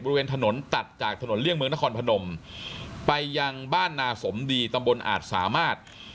บริเวณถนนตัดจากถนนเลี่ยงเมืองนครพนมไปยังบ้านนาสมดีตำบลอาจสามารถ